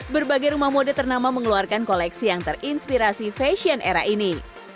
berbagai rumah mode ternama mengeluarkan koleksi yang terinspirasi fashion era ini